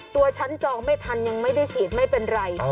ตัวฉันจองไม่ทันยังไม่ได้ฉีดไม่เป็นไร